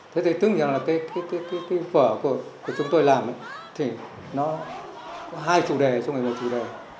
thế thì tức là cái phở của chúng tôi làm thì nó có hai chủ đề trong một chủ đề